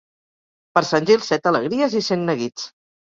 Per Sant Gil, set alegries i cent neguits.